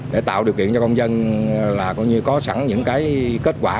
để tạo điều kiện cho công dân là cũng như có sẵn những cái kết quả